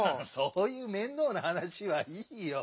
そういう面倒なはなしはいいよ。